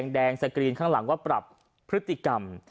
แดงสกรีนข้างหลังว่าปรับพฤติกรรม